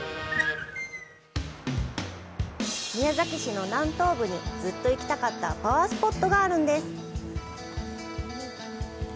宮崎市の南東部に、ずっと行きたかったパワースポットがあるんです。